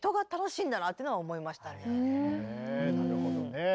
なるほどね。